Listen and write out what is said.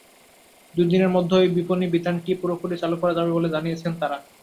দুই দিনের মধ্যেই বিপণিবিতানটি পুরোপুরি চালু করা যাবে বলে জানিয়েছে তারা।